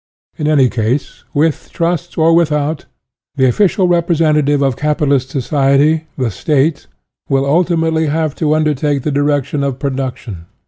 In any case, with trusts or without, the official representative of capitalist society the State will ultimately have to undertake the direction of production.